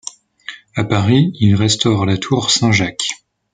À Paris, il restaure la tour Saint-Jacques.